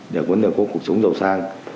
để có cuộc sống giàu sang